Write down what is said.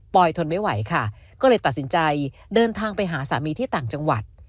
ทนไม่ไหวค่ะก็เลยตัดสินใจเดินทางไปหาสามีที่ต่างจังหวัด